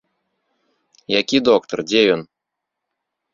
Які доктар, дзе ён?